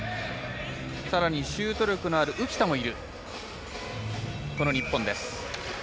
さらにシュート力のある浮田もいる、日本です。